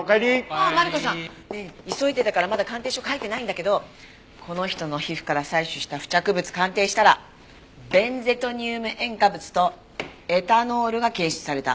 ああマリコさんねえ急いでたからまだ鑑定書書いてないんだけどこの人の皮膚から採取した付着物鑑定したらベンゼトニウム塩化物とエタノールが検出された。